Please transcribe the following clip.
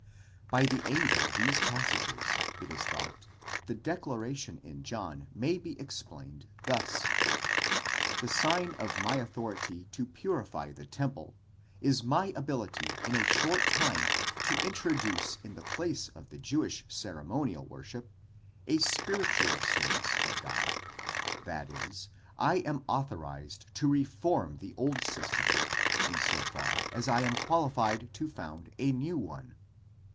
By the aid of these passages, it is thought, the declaration in John may be explained thus : the sign of my authority to purify the temple, is my ability in a short time to introduce in the place of the Jewish cere monial worship, a spiritual service of God ; i.e. I am authorized to reform the old system, in so far as I am qualified to found a new one.